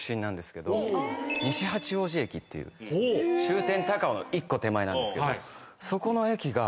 西八王子駅っていう終点高尾の１個手前なんですけどそこの駅が。